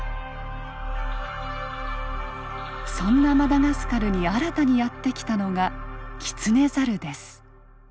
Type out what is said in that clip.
そんなマダガスカルに新たにやって来たのがキツネザルです。